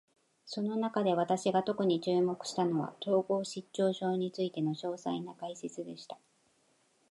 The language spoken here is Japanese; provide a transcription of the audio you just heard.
その中で、私が特に注目したのは、統合失調症についての詳細な解説でした。